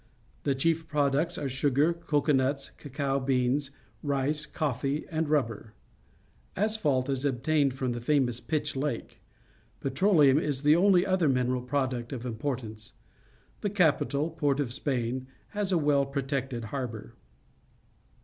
The chief products are sugar, cocoar^nuts, cacao bean s, rice, coffee, and rubber. Asplialt is obtamed from the famous Pitch Lake. Petroleum is the only other mineral pro duct ot importance. The capital, Port of Spain, has a well protected harbour.